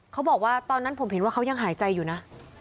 เขาบอกว่าตอนนั้นผมเห็นว่าเขายังหายใจอยู่นะ